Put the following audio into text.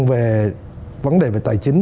về vấn đề về tài chính